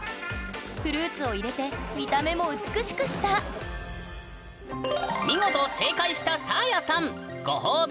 フルーツを入れて見た目も美しくした見事正解したサーヤさんご褒美を召し上がれ！